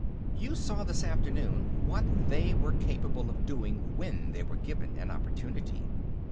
You saw, this afternoon, what they were capable of doing when they were given an opportunity.